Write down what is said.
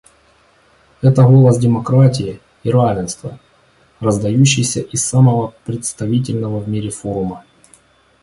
Это голос демократии и равенства, раздающийся из самого представительного в мире форума.